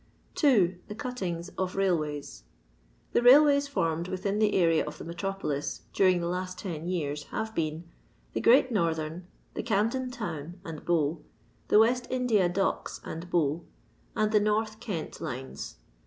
2. 27i€ CtUtuigM iif Ratlwayt,—The railways formed within the arsa of the metropolis during the Inst ten years have been — the QreaX Northern ; the Camden Town, and^ow ; the West India Docks and Bow; and the North Kent Lines.